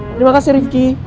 terima kasih rifki